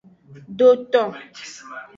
Dotong.